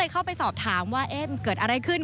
ก็ถามว่าเกิดอะไรขึ้น